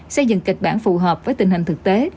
xây dựng kịch bản phù hợp với tình hình thực tế